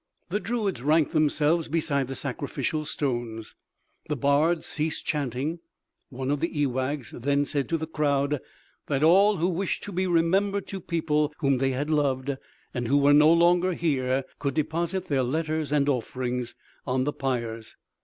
The druids ranked themselves beside the sacrificial stones. The bards ceased chanting. One of the ewaghs than said to the crowd, that all who wished to be remembered to people whom they had loved and who were no longer here, could deposit their letters and offering on the pyres.